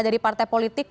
jadi partai politik